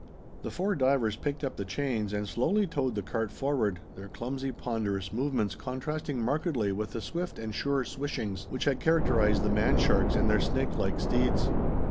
The four divers picked up the chains, and slowly towed the cart forward, their clumsy, ponderous movements contrasting markedly with the swift and sure swishings which had characterized the man sharks and their snake like steeds.